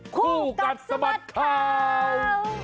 คู่กัดสมัติข่าว